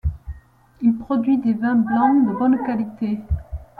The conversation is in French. Il produit des vins blancs de bonne qualité.